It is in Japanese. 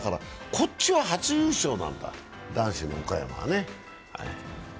こっちは初優勝なんだ、男子の岡山はね。